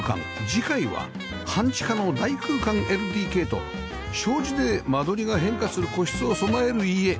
次回は半地下の大空間 ＬＤＫ と障子で間取りが変化する個室を備える家